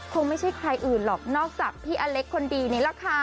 คงไม่ใช่ใครอื่นหรอกนอกจากพี่อเล็กคนดีนี่แหละค่ะ